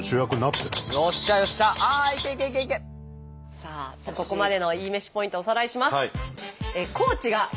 さあここまでのいいめしポイントおさらいします。